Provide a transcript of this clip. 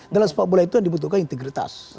dalam sepak bola itu yang dibutuhkan integritas